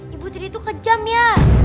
ibu tiri itu kejam ya